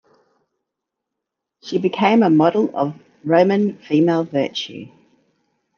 She became a model of Roman female virtue.